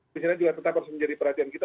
di sini juga tetap harus menjadi perhatian kita